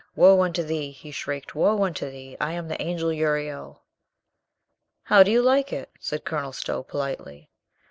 "Woe unto thee!" he shrieked, "Woe unto thee! I am the Angel Uriel !" "How do you like it?" said Colonel Stow politely.